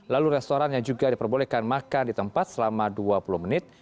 lalu restoran yang juga diperbolehkan makan di tempat selama dua puluh menit